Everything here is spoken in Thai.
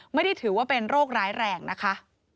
ไม่ได้ถือว่าเป็นโรคร้ายแรงนะคะ